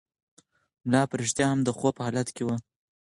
ملا په رښتیا هم د خوب په حالت کې و.